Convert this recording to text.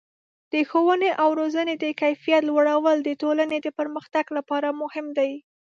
د ښوونې او روزنې د کیفیت لوړول د ټولنې د پرمختګ لپاره مهم دي.